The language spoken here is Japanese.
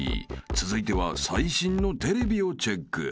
［続いては最新のテレビをチェック］